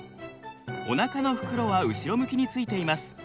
おなかの袋は後ろ向きについています。